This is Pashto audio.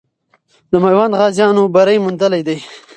د میوند غازیانو بری موندلی دی.